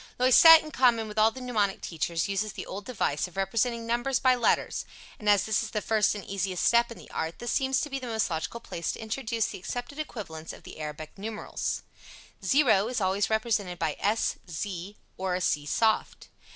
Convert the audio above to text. Loisette, in common with all the mnemonic teachers, uses the old device of representing numbers by letters and as this is the first and easiest step in the art, this seems to be the most logical place to introduce the accepted equivalents of the Arabic numerals: 0 is always represented by s, z or c soft.